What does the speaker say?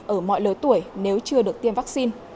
ở mọi lời tuổi nếu chưa được tiêm vaccine